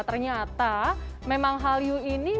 ternyata memang hallyu ini